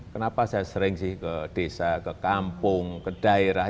kenapa saya sering sih ke desa ke kampung ke daerah